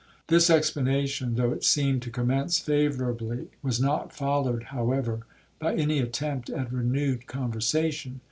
This explanation, though it seemed to commence favourably, was not followed, however, by any attempt at renewed conversation.